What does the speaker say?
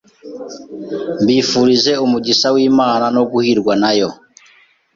Mbifurije umugisha w’Imana no guhirwa na Yo